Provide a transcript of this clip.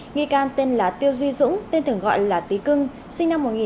nghi can tên là tiêu duy dũng tên thường gọi là tý cưng sinh năm một nghìn chín trăm tám mươi